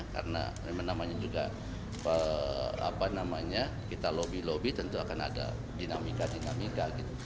karena namanya juga kita lobby lobby tentu akan ada dinamika dinamika gitu